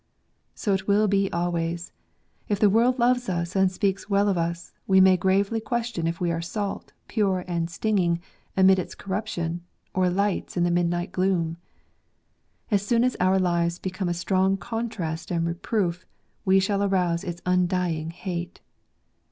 So will it be always : if the world loves us and speaks well of us, we may gravely question if we are salt, pure and stinging, amid its corrup tion, or lights in its midnight gloom. As soon as our lives become a strong contrast and reproof, we shall arouse its undying hate.